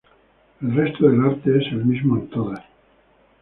El resto del arte es el mismo en todas.